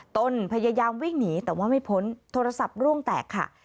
ตนพยายามวิ่งหนีแต่ว่าไม่พ้นโทรศัพท์ร่วงแตกค่ะ